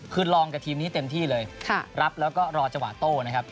คือลองกับทีมนี้เต็มที่เลยรับแล้วก็รอจังหวะโต้นะครับ